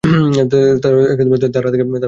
তারা তাকে বাইরে নিয়ে যাচ্ছে।